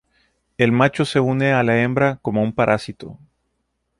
El macho se une a la hembra como un parásito.